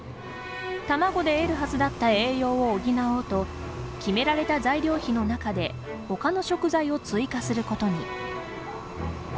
卵で得るはずだった栄養を補おうと決められた材料費の中で他の食材を追加することに。